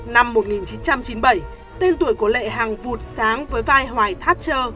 năm một nghìn chín trăm chín mươi bảy tên tuổi của lê hằng vụt sáng với vai hoài thái